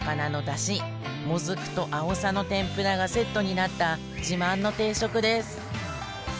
もずくとあおさの天ぷらがセットになった自慢の定食です。